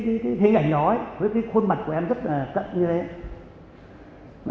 với cái khuôn mặt của em rất là cận như thế